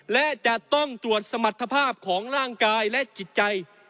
และจะต้องตรวจสมรรถภาพของร่างกายและจิตใจ